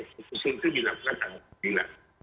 keputusan itu dilakukan tanggal sembilan